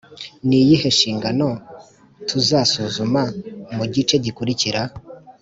Ni iyihe nshingano tuzasuzuma mu gice gikurikira?